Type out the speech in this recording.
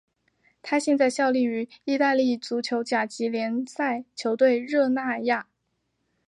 他现在效力于意大利足球甲级联赛球队热那亚。